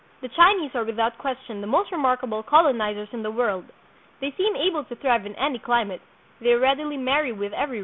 The Chinese are without question the most remarkable colonizers in the world. They seem able to thrive in any climate. They readily marry with every race.